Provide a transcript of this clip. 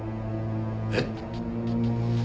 えっ？